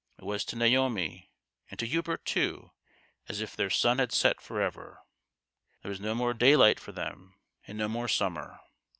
It was to Naomi, and to Hubert too, as if their sun THE GHOST OF THE PAST. 167 had set for ever. There was no more daylight for them, and no more summer.